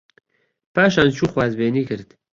پاشان چوو خوازبێنی کرد